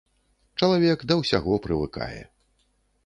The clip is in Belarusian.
Чалавек да ўсяго прывыкае.